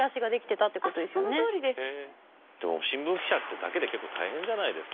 新聞記者ってだけで結構大変じゃないですか。